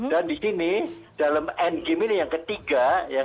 dan di sini dalam endgame ini yang ketiga